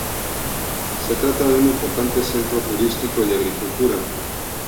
Se trata de un importante centro turístico y de agricultura.